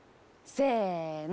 せの。